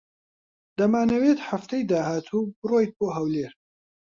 دەمانەوێت هەفتەی داهاتوو بڕۆیت بۆ ھەولێر.